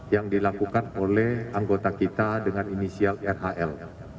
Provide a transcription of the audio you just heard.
yang dilakukan oleh anggota kita dengan inisial rahl